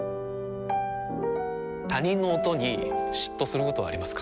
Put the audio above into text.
他人の音に嫉妬することはありますか？